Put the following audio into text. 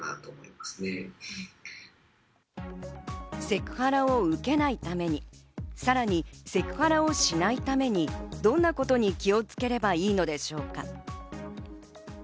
セクハラを受けないために、さらにセクハラをしないために、どんなことに気をつければいいのでしょうか。